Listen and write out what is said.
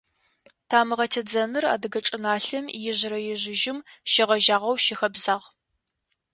Тамыгъэ тедзэныр адыгэ чӏыналъэм ижърэ-ижъыжьым щегъэжьагъэу щыхэбзагъ.